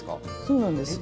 そうなんです。